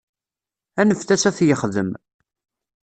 Anfet-as ad t-yexdem.